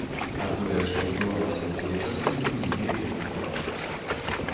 А тое, што адбывалася ў тыя часы, мне не вельмі падабаецца.